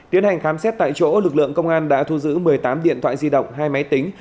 tiến hành khám xét tại chỗ lực lượng công an đã thu giữ một mươi tám điện thoại di động hai máy tính